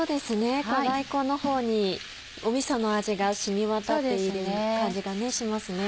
大根の方にみその味が染み渡っている感じがしますね。